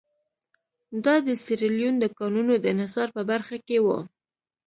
دا د سیریلیون د کانونو د انحصار په برخه کې وو.